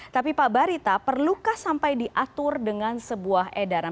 tapi pak barita perlukah sampai diatur dengan sebuah edaran